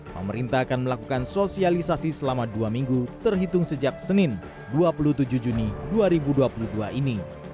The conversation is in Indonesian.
pemerintah akan melakukan sosialisasi selama dua minggu terhitung sejak senin dua puluh tujuh juni dua ribu dua puluh dua ini